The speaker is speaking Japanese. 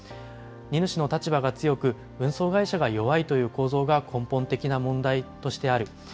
荷主の立場が強く、運送会社が弱いという構造が根本的な問題としてある。